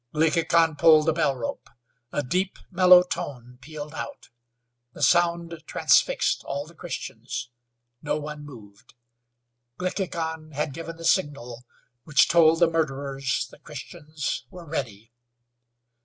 Glickhican pulled the bell rope. A deep, mellow tone pealed out. The sound transfixed all the Christians. No one moved. Glickhican had given the signal which told the murderers the Christians were ready.